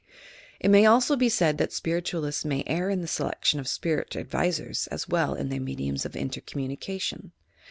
It may also be said that Spirit ualists may err in their selection of spirit advisors as well as in their means of intercommunication.